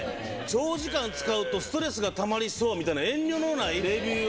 「長時間使うとストレスがたまりそう」みたいな遠慮のないレビュー。